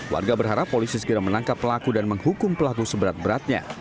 warga berharap polisi segera menangkap pelaku dan menghukum pelaku seberat beratnya